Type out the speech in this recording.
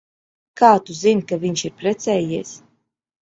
Kā tu zini, ka viņš ir precējies?